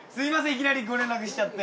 いきなりご連絡しちゃって。